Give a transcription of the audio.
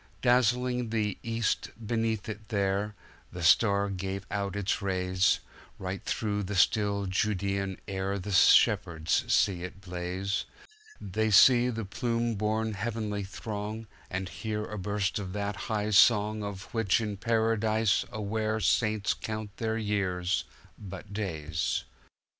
Dazzling the East beneath it there, The Star gave out its rays:Right through the still Judean air The shepherds see it blaze, They see the plume borne heavenly throng, And hear a burst of that high song Of which in Paradise aware Saints count their years but days.